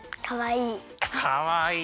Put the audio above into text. かわいい。